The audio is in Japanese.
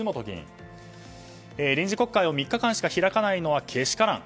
臨時国会を３日間しか開かないのは、けしからん。